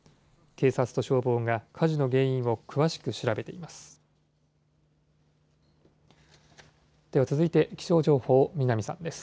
警察と消防が火事の原因を詳しく調べています。